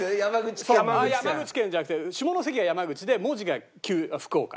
山口県じゃなくて下関が山口で門司が福岡。